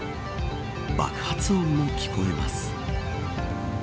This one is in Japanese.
爆発音も聞こえます。